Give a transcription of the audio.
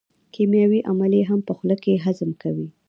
کیمیاوي عملیې هم په خوله کې هضم کوي.